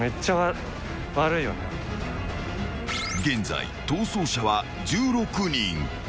［現在逃走者は１６人］